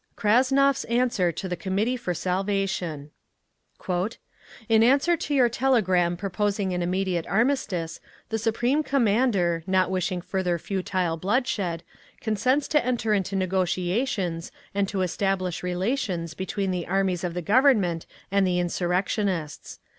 KRASNOV's ANSWER TO THE COMMITTEE FOR SALVATION "In answer to your telegram proposing an immediate armistice, the Supreme Commander, not wishing further futile bloodshed, consents to enter into negotiations and to establish relations between the armies of the Government and the insurrectionists.